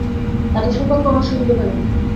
এত সৌভাগ্য আমার সহিবে কেন?